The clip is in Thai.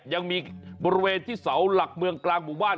ยังมีบริเวณที่เสาหลักเมืองกลางหมู่บ้าน